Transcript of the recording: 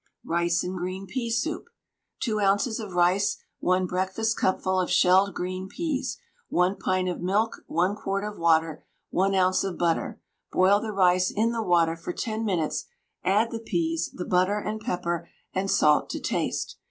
RICE AND GREEN PEA SOUP. 2 oz. of rice, 1 breakfastcupful of shelled green peas, 1 pint of milk, 1 quart of water, 1 oz. of butter. Boil the rice in the water for 10 minutes, add the peas, the butter and pepper and salt to taste.